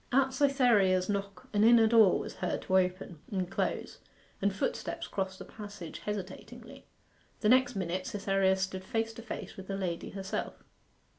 At Cytherea's knock an inner door was heard to open and close, and footsteps crossed the passage hesitatingly. The next minute Cytherea stood face to face with the lady herself.